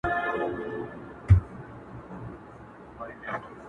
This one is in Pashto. o چي په گرانه ئې رانيسې، په ارزانه ئې مه خرڅوه٫